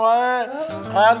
eh apa yang kamu mau